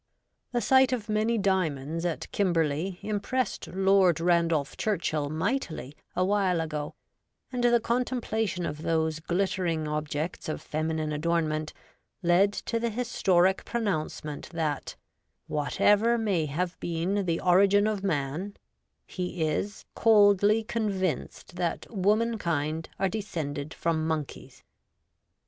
The sight of many diamonds at Kimberley impressed Lord Randolph Churchill mightily awhile ago, and the contemplation of those glittering objects of feminine adornment led to the historic pronouncement that ' whatever may have been the origin of man,' he is ' coldly convinced that woman i8 REVOLTED WOMAN. kind are descended from monkeys.'